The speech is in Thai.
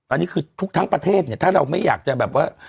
อันนี้คือทุกทั้งประเทศเนี่ยถ้าเราไม่อยากจะแบบว่า